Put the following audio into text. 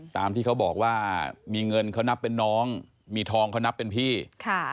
ตามที่เขาบอกว่ามีเงินเขานับเป็นน้องมีทองเขานับเป็นพี่ค่ะ